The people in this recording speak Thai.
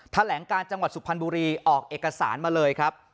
แถลงการจังหวัดสุพรรณบุรีออกเอกสารมาเลยครับ